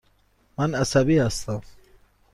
من عصبی هستم.